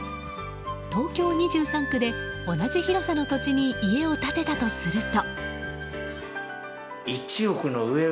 東京２３区で同じ広さの土地に家を建てたとすると。